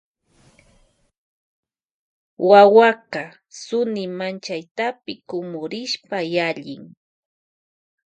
Wawa yalin sunimachayta kumurishpa.